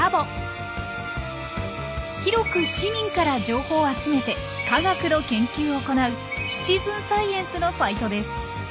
広く市民から情報を集めて科学の研究を行う「シチズンサイエンス」のサイトです。